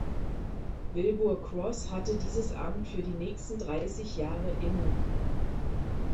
Wilbur Cross hatte dieses Amt für die nächsten dreißig Jahre inne.